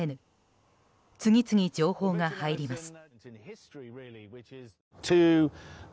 次々情報が入ります。